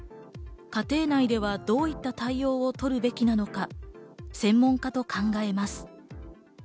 家庭内ではどういった対応をとるべきなのか、専門家と考えます。